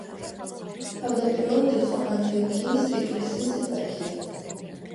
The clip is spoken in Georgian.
თავდაპირველად იყო ანტიოქიის ეკლესიის ეპარქია.